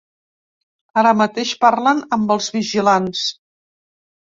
Ara mateix parlen amb els vigilants.